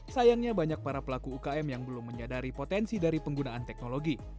sayangnya banyak para pelaku ukm yang belum menyadari potensi dari penggunaan teknologi